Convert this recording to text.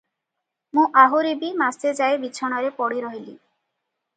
ମୁଁ ଆହୁରି ବି ମାସେଯାଏ ବିଛଣାରେ ପଡ଼ି ରହିଲି ।